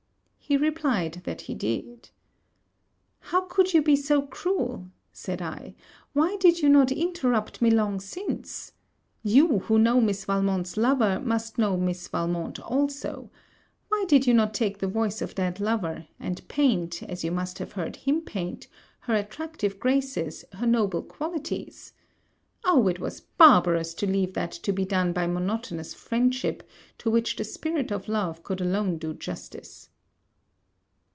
He replied that he did. 'How could you be so cruel,' said I; 'why did you not interrupt me long since? You, who know Miss Valmont's lover, must know Miss Valmont also. Why did you not take the voice of that lover, and paint, as you must have heard him paint, her attractive graces, her noble qualities? Oh it was barbarous to leave that to be done by monotonous friendship, to which the spirit of love could alone do justice!'